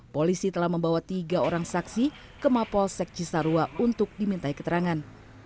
polisi telah membawa tiga orang saksi ke mapolsek cisarua untuk dimintai keterangan